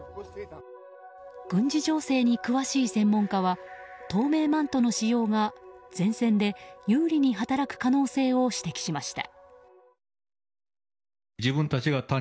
軍事情勢に詳しい専門家は透明マントの使用が前線で有利に働く可能性を指摘しました。